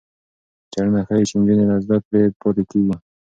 څېړنه ښيي چې نجونې له زده کړې پاتې کېږي.